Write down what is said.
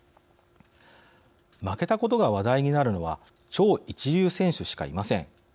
負けたことが話題になるのは超一流選手しかいません。